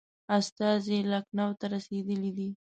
استازی لکنهو ته رسېدلی دی.